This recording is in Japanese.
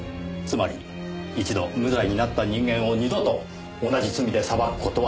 つまり一度無罪になった人間を二度と同じ罪で裁く事は出来ない。